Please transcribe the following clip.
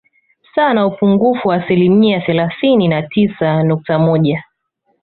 Sawa na upungufu wa asilimia thelathini na tisa nukta moja